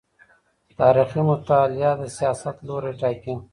تاريخي مطالعه د سياست لوری ټاکي.